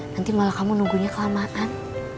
nanti malah kamu nunggunya kelamaan